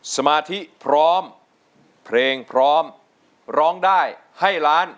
สมาธิพร้อมเพลงพร้อมร้องได้ให้ล้าน